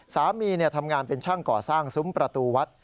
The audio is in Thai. สามีทำงานเป็นช่างก่อสร้างซุ้มประตูวัด